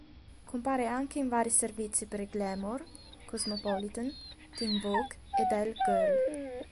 Compare anche in vari servizi per "Glamour", "Cosmopolitan", "Teen Vogue" ed "Elle Girl".